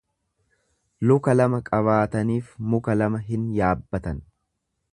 Luka lama qabaataniif muka lama hin yaabbatan.